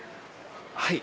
はい。